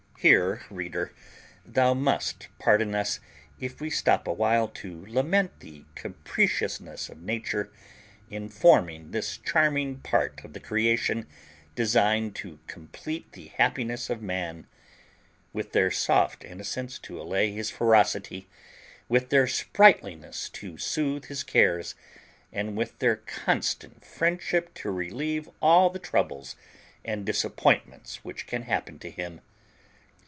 Here, reader, thou must pardon us if we stop a while to lament the capriciousness of Nature in forming this charming part of the creation designed to complete the happiness of man; with their soft innocence to allay his ferocity, with their sprightliness to soothe his cares, and with their constant friendship to relieve all the troubles and disappointments which can happen to him.